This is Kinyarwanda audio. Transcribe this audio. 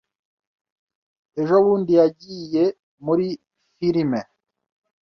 Ejobundi yagiye muri firime.